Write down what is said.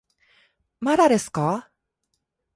まだですかー